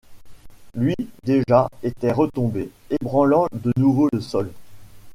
Lui, déjà, était retombé, ébranlant de nouveau le sol.